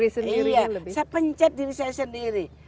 saya pencet diri saya sendiri